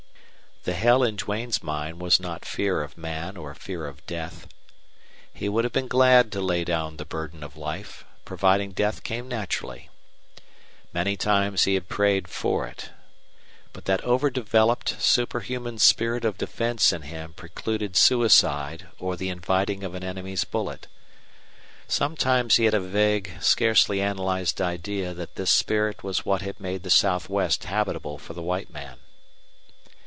The hell in Duane's mind was not fear of man or fear of death. He would have been glad to lay down the burden of life, providing death came naturally. Many times he had prayed for it. But that overdeveloped, superhuman spirit of defense in him precluded suicide or the inviting of an enemy's bullet. Sometimes he had a vague, scarcely analyzed idea that this spirit was what had made the Southwest habitable for the white man.